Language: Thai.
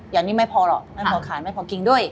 อย่างนี้ไม่พอหรอกไม่พอขายไม่พอกินด้วย